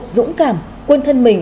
dũng cảm quân thân mình